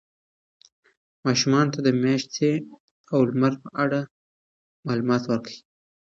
ماشومانو ته د میاشتې او لمر په اړه معلومات ورکړئ.